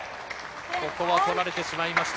ここは取られてしまいました。